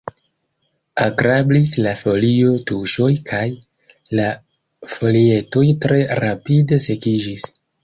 Agrablis la folio-tuŝoj kaj la folietoj tre rapide sekiĝis.